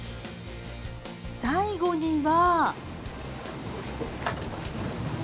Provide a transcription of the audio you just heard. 最後には。